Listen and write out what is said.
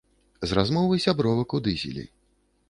З размовы сябровак у дызелі.